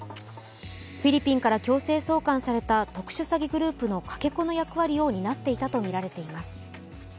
フィリピンから強制送還された特殊詐欺グループのかけ子の役割を担っていたとみられています。